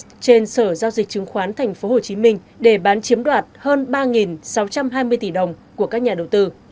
trên sở giao dịch chứng khoán tp hcm để bán chiếm đoạt hơn ba sáu trăm hai mươi tỷ đồng của các nhà đầu tư